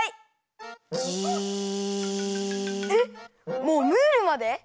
もうムールまで？